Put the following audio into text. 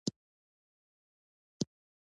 تاریخ د افغانستان د امنیت په اړه هم اغېز لري.